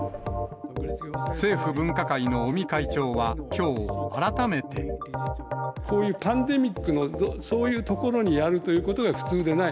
政府分科会の尾身会長は、きょう、こういうパンデミックのそういうところにやるということが普通でない。